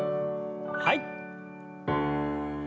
はい。